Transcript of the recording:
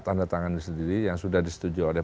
tanda tangan sendiri yang sudah disetujui oleh